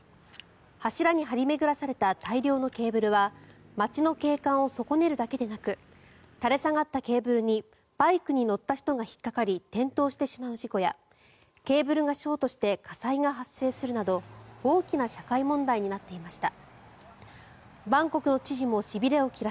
柱に張り巡らされた大量のケーブルは街の景観を損ねるだけでなく垂れ下がったケーブルにバイクに乗った人が引っかかり転倒してしまう事故やケーブルがショートして火災が発生するなど大きな社会問題になっていました。